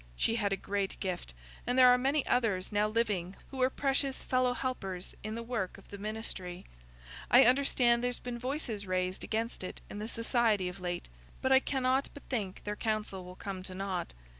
She had a great gift, and there are many others now living who are precious fellow helpers in the work of the ministry. I understand there's been voices raised against it in the Society of late, but I cannot but think their counsel will come to nought.